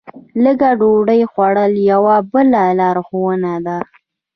لږه ډوډۍ خوړل یوه بله لارښوونه ده.